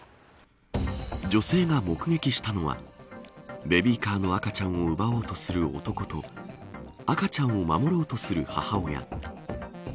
女性が目撃したのはベビーカーの赤ちゃんを奪おうとする男と赤ちゃんを守ろうとする母親。